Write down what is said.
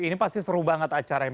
ini pasti seru banget acara yang